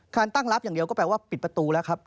ตั้งรับอย่างเดียวก็แปลว่าปิดประตูแล้วครับ